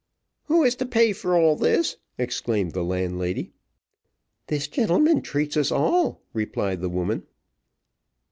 "Who is to pay for all this?" exclaimed the landlady. "This gentleman treats us all," replied the woman.